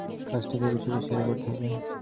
কাজটা খুব চুপিসারে করতে হবে।